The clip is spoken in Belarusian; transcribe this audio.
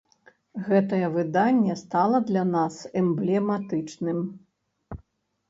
Гэтае выданне стала для нас эмблематычным.